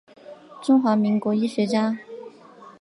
中华民国医学家。